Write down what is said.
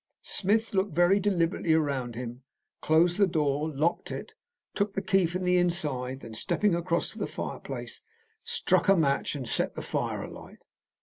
Smith looked very deliberately round him, closed the door, locked it, took the key from the inside, and then stepping across to the fireplace, struck a match and set the fire alight.